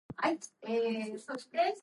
Army Yuma Proving Ground.